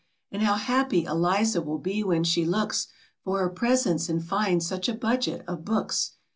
And how happy Eliza will be when she looks For her presents, and finds such a budget of books.